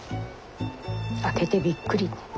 開けてびっくり。